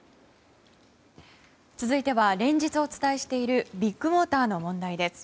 続いては連日お伝えしているビッグモーターの問題です。